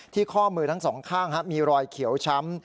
ข้อมือทั้งสองข้างมีรอยเขียวช้ำ